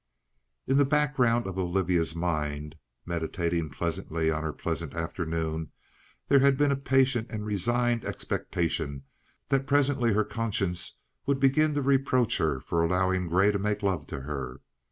In the background of Olivia's mind, meditating pleasantly on her pleasant afternoon, there had been a patient and resigned expectation that presently her conscience would begin to reproach her for allowing Grey to make love to her.